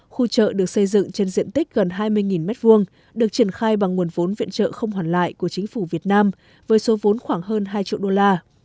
khu chợ được xây dựng trên diện tích gần hai mươi m hai được triển khai bằng nguồn vốn viện trợ không hoàn lại của chính phủ việt nam với số vốn khoảng hơn hai triệu đô la